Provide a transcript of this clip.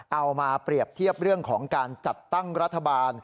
เอามาเปรียบเทียบเรื่องของการจัดตั้งรัฐบาล